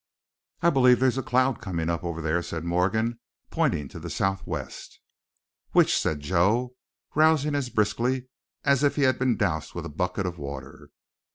"I believe there's a cloud coming up over there," said Morgan, pointing to the southwest. "Which?" said Joe, rousing as briskly as if he had been doused with a bucket of water.